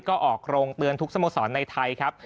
ก็ออกโรงเตือนทุกสโมสรในไทยครับ